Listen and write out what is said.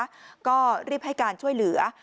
แล้วก็รีบให้การช่วยเหลือ